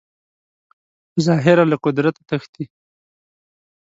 په ظاهره له قدرته تښتي